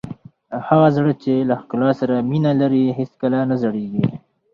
هغه زړه چې له ښکلا سره مینه لري هېڅکله نه زړیږي.